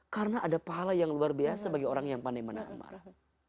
karena ada pahala yang luar biasa bagi orang yang pandai menahan marah